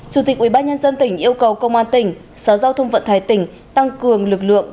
chủ tịch ubnd tỉnh yêu cầu công an tỉnh sở giáo thông vận tải tỉnh tăng cường lực lượng